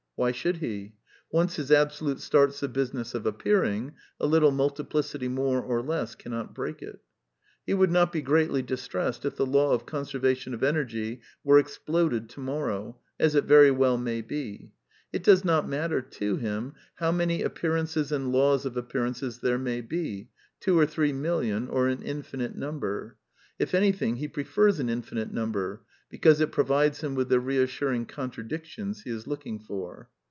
Why should he? Once his Absolute starts the business of appearing, a little multiplicity more or less cannot break it He would not be greatly distressed if the law of conservation of energy were exploded to morrow, as it very well may be. It does not matter to him how many appearances and laws of appearances there may be — two or three million, or an infinite number. If anything, he prefers an infinite number, because it provides him with the reassuring contradictions he is looking for.